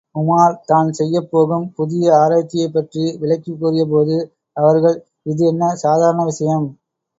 உமார் தான் செய்யப்போகும் புதிய ஆராய்ச்சியைப்பற்றி விளக்கிக் கூறியபோது அவர்கள், இது என்ன சாதாரண விஷயம்!